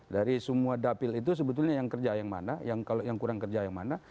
dari semua dapil itu sebetulnya yang kerja yang mana yang kurang kerja yang mana